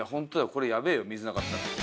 これやべえよ水なかったら。